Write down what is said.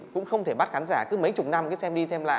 cũng không thể bắt khán giả cứ mấy chục năm